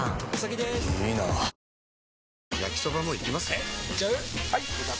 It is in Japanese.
えいっちゃう？